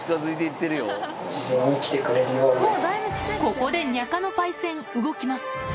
ここでにゃかのパイセン動きます